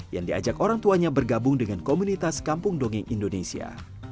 yang diajak orang tuanya bergabung dengan komunitas kampung dongeng indonesia